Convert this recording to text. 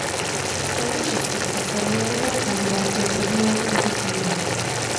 Z této šestice se měl vybrat kandidát pro první let do vesmíru.